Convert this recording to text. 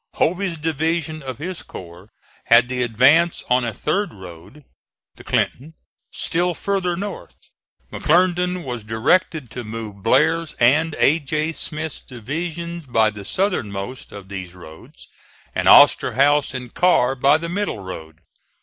Hovey's division of his corps had the advance on a third road (the Clinton) still farther north. McClernand was directed to move Blair's and A. J. Smith's divisions by the southernmost of these roads, and Osterhaus and Carr by the middle road.